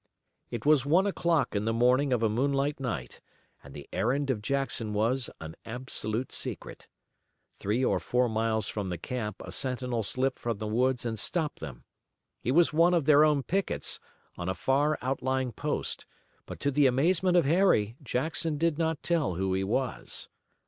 It was then one o'clock in the morning of a moonlight night, and the errand of Jackson was an absolute secret. Three or four miles from the camp a sentinel slipped from the woods and stopped them. He was one of their own pickets, on a far out lying post, but to the amazement of Harry, Jackson did not tell who he was.